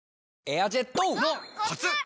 エアジェットォ！のコツ！